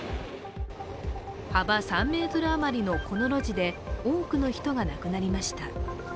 幅３ｍあまりのこの路地で多くの人が亡くなりました。